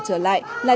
là trưng bày dịch bệnh